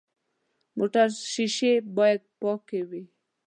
موټر شیشې باید پاکې وي.